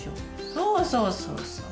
そうそうそうそう。